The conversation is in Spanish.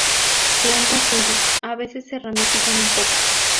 Plantas simples, a veces se ramifican un poco.